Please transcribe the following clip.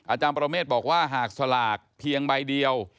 อาจารย์ประเมฆบอกว่าหากสลากเพียงใบเดียว